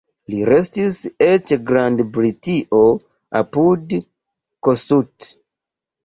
Li restis eĉ Grand-Britio apud Kossuth.